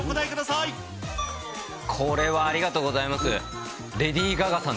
これはありがとうございます。